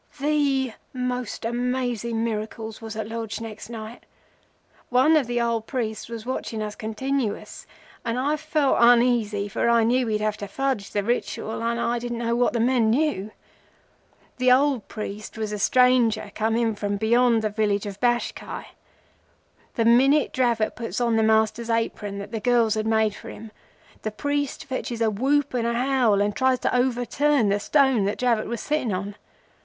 "The most amazing miracle was at Lodge next night. One of the old priests was watching us continuous, and I felt uneasy, for I knew we'd have to fudge the Ritual, and I didn't know what the men knew. The old priest was a stranger come in from beyond the village of Bashkai. The minute Dravot puts on the Master's apron that the girls had made for him, the priest fetches a whoop and a howl, and tries to overturn the stone that Dravot was sitting on.